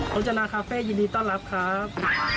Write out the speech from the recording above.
ผมจนาคาเฟ่ยินดีต้อนรับครับ